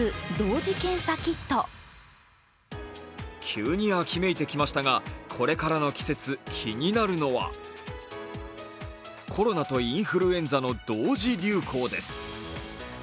急に秋めいてきましたが、これからの季節気になるのは、コロナとインフルエンザの同時流行です。